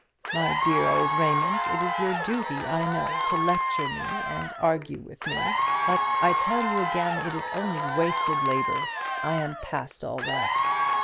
My dear old Raymond, it is your duty, I know, to lecture me and argue with me; but I tell you again it is only wasted labour; I am past all that.